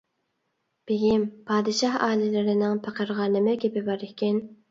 بېگىم، پادىشاھ ئالىيلىرىنىڭ پېقىرغا نېمە گېپى بار ئىكىن؟